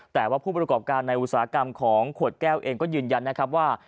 แต่ว่าผู้ประกอบการในอุตสาหกรรมของขวดแก้วเองก็ยืนยันนะครับว่า